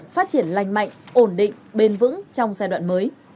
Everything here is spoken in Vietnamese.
phát triển lành mạnh ổn định bền vững trong giai đoạn mới